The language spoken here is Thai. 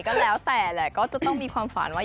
ก็แล้วแต่แหละก็จะต้องมีความฝันว่า